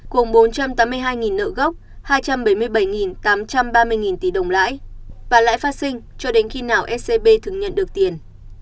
cùng bốn trăm tám mươi hai nợ gốc hai trăm bảy mươi bảy tám trăm ba mươi tỷ đồng lãi và lãi phát sinh cho đến khi nào scb thường nhận được tiền